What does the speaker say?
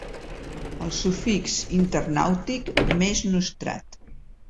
El sufix internàutic més nostrat.